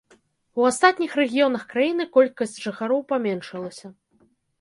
У астатніх рэгіёнах краіны колькасць жыхароў паменшылася.